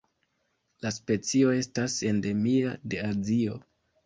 La specio estas endemia de Azio.